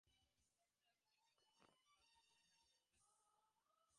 রাস্তায় যদি কেউ অপ্রীতিকর কাজ করে, তাকে আইনের আওতায় আনা হবে।